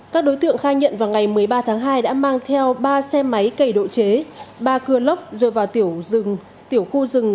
các đối tượng khai nhận vào ngày một mươi ba tháng hai đã mang theo ba xe máy cầy độ chế ba cưa lốc rơi vào tiểu khu rừng tám trăm hai mươi bốn